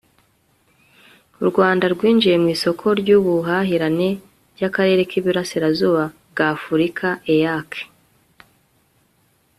u rwanda rwinjiye mu isoko ry'ubuhahirane ry'akarere k'iburasirazuba bw'afurika (eac